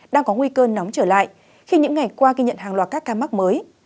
đang có nguy cơ nóng trở lại khi những ngày qua ghi nhận hàng loạt các ca mắc mới